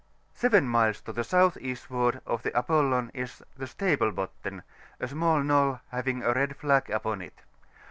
Seven miles to the south eastward of the ApoUon is the Staple Botten^ a small knoll, having a red flag upon it.